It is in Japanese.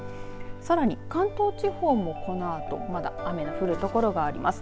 さらに関東地方もこのあとまだ雨の降る所があります。